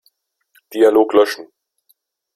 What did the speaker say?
Dialog löschen.